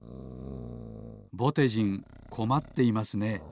ぼてじんこまっていますね。